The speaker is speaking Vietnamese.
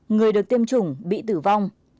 người được tiêm chủng bị tử vong